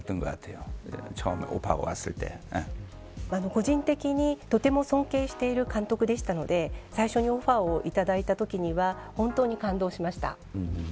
個人的にとても尊敬している監督でしたので最初にオファーをいただいたときには本当に感動しました。